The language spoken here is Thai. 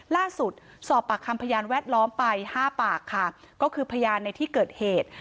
สอบปากคำพยานแวดล้อมไปห้าปากค่ะก็คือพยานในที่เกิดเหตุ